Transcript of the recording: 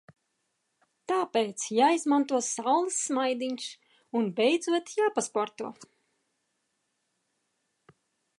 Tāpēc jāizmanto saules smaidiņš un beidzot jāpasporto.